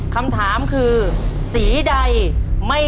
ขอเชิญแสงเดือนมาต่อชีวิตเป็นคนต่อชีวิต